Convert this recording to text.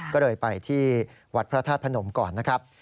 ก็เลยไปที่วัดพระธาตุพนมก่อนนะครับ